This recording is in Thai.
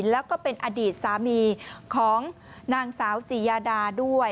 แล้วก็เป็นอดีตสามีของนางสาวจิยาดาด้วย